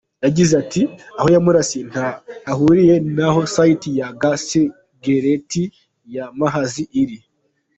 Yagite ati“Aho yamurasiye ntaho hahuriye n’aho site ya gasegereti ya Mahaza iri.